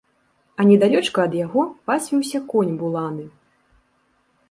А недалёчка ад яго пасвіўся конь буланы.